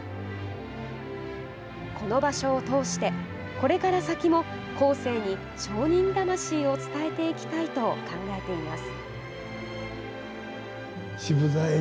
この場所を通してこれから先も後世に商人魂を伝えていきたいと考えています。